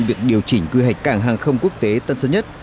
việc điều chỉnh quy hoạch cảng hàng không quốc tế tân sơn nhất